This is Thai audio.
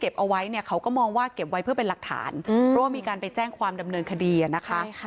เอาไว้เนี่ยเขาก็มองว่าเก็บไว้เพื่อเป็นหลักฐานเพราะว่ามีการไปแจ้งความดำเนินคดีนะคะ